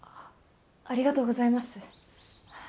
ありがとうございます。